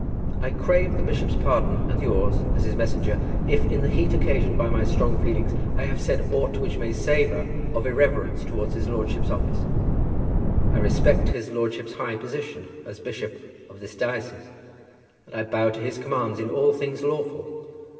"I crave the bishop's pardon, and yours as his messenger, if in the heat occasioned by my strong feelings I have said aught which may savour of irreverence towards his lordship's office. I respect his lordship's high position as bishop of this diocese, and I bow to his commands in all things lawful.